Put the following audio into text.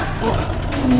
tidak jangan jangan